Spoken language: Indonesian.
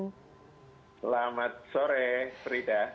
selamat sore frida